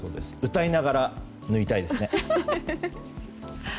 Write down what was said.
歌いながら縫いたいですね。